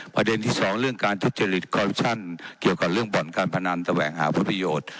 ประเด็นที่สองเรื่องการทุจริตคอลชั่นเกี่ยวกับเรื่องบ่อนการพนันแสวงหาผลประโยชน์